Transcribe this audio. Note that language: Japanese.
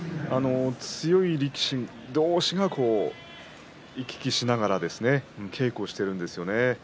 強い力士同士が行き来しながらですね稽古をしているんですね。